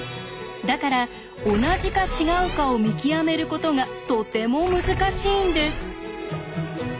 だから同じか違うかを見極めることがとても難しいんです。